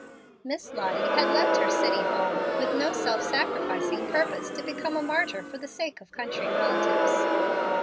Miss Lottie had left her city home with no self sacrificing purpose to become a martyr for the sake of country relatives.